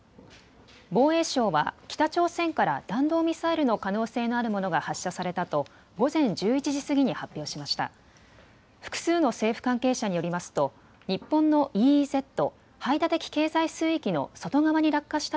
防衛省は北朝鮮から弾道ミサイルの可能性のあるものが発射されたと午前１１時過ぎに発表しました。